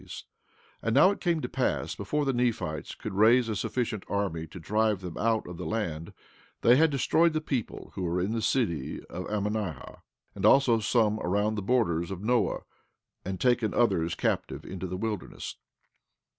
16:3 And now it came to pass, before the Nephites could raise a sufficient army to drive them out of the land, they had destroyed the people who were in the city of Ammonihah, and also some around the borders of Noah, and taken others captive into the wilderness.